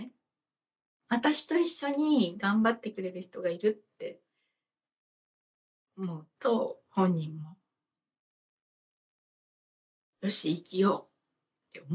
私と一緒に頑張ってくれる人がいるって思うと本人もよし生きようって思うと思いますよ。